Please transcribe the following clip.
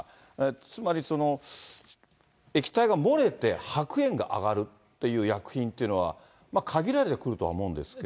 つまりその液体が漏れて白煙が上がるという薬品というのは、限られてくるとは思うんですけど。